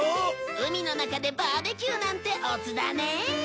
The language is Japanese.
海の中でバーベキューなんて乙だね